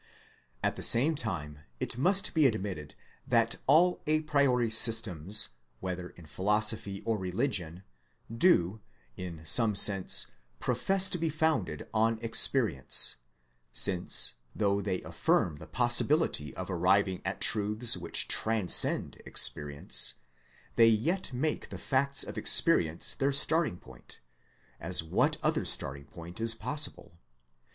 At the same time, it must be admitted that all a priori systems whether in philosophy or religion, do, in some sense profess to be founded on experience, since though they affirm the possibility of arriving at truths which transcend experience, they yet make the facts of experience their starting point (as what other starting point is possible